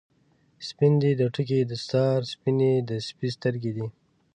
سپین دی د ټګۍ دستار، سپینې د سپي سترګی دي